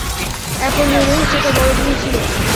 এখন মনে হচ্ছে এটা বড় ভুল ছিল।